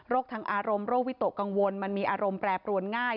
ทางอารมณ์โรควิตกกังวลมันมีอารมณ์แปรปรวนง่าย